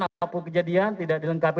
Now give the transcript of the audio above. atau kejadian tidak dilengkapi